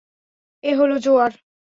এ হলো জোয়ার।